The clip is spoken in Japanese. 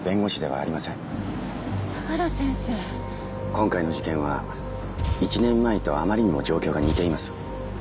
今回の事件は１年前とあまりにも状況が似ています。